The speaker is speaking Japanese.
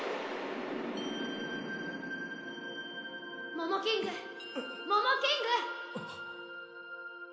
モモキングモモキング！